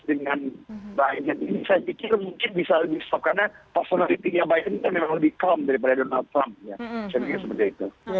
daripada donald trump